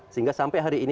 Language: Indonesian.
sehingga sampai hari ini